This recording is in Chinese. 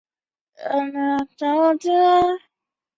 苗栗丽花介为粗面介科丽花介属下的一个种。